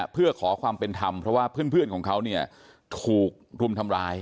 เพื่อขอความเป็นธรรมเพราะว่าเพื่อนของเขาเนี่ยถูกรุมทำร้าย